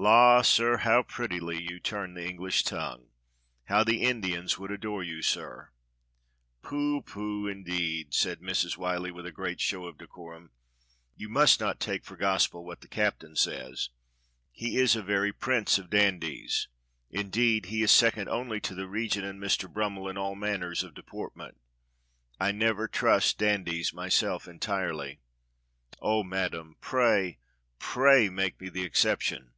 "La, sir, how prettily you turn the English tongue! How the Indians would adore you, sir!" "Pooh pooh, indeed," said Mrs. Whyllie with a great show of decorum, "you must not take for gospel what the captain says. He is a very prince of dandies; in deed, he is second only to the Regent and Mister Brum 272 DOCTOR SYN mel in all manners of deportment. I never trust dan dies myself entirely." "Oh, Madam, pray, pray, make me the exception."